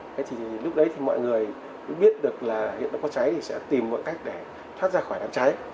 thế thì lúc đấy thì mọi người cũng biết được là hiện đã có cháy thì sẽ tìm mọi cách để thoát ra khỏi đám cháy